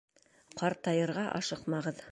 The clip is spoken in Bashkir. Ҡартайтырға ашыҡмағыҙ